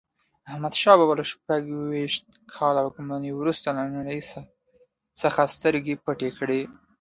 احمدشاه بابا له شپږویشت کاله واکمنۍ وروسته له نړۍ څخه سترګې پټې کړې.